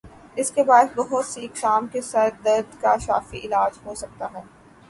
اسکے باعث بہت سی اقسام کے سر درد کا شافی علاج ہو سکتا ہے